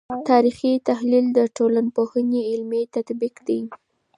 تاریخي تحلیل د ټولنپوهنې علمي تطبیق دی.